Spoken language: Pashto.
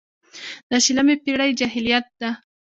د شلمې پېړۍ جاهلیت ده.